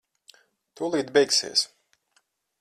Tūlīt beigsies.